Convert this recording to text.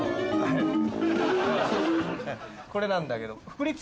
これなんだけど。